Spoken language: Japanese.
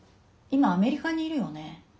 今アメリカにいるよね？